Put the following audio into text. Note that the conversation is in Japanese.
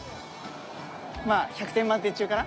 まあ１００点満点中かな。